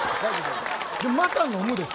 また飲むでしょ。